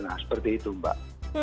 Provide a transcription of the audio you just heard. nah seperti itu mbak